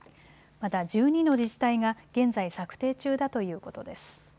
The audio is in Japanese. また１２の自治体が現在、策定中だということです。